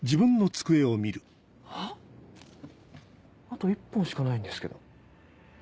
あと１本しかないんですけど。